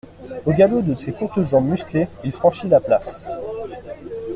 Au galop de ses courtes jambes musclées, il franchit la place.